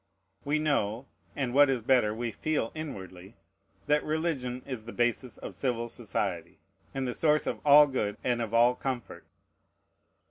We know, and, what is better, we feel inwardly, that religion is the basis of civil society, and the source of all good, and of all comfort.